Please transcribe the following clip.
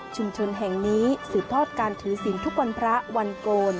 ชุมชนแห่งนี้สืบทอดการถือศีลทุกวันพระวันโกณฑ์